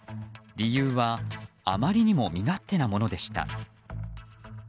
理由はあまりにも身勝手なものでした。